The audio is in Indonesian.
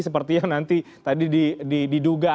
seperti yang nanti tadi diduga